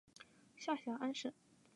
下辖安省。